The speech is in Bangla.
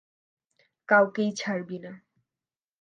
কাউকেই ছাড়বি না!